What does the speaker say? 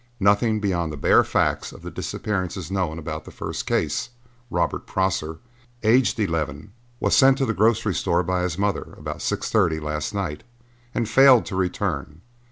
Nothing beyond the bare fact of the disappearance is known about the first case. Robert Prosser, aged eleven, was sent to the grocery store by his mother about six thirty last night and failed to return.